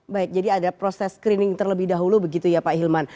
baik jadi ada proses screening terlebih dahulu begitu ya pak hilman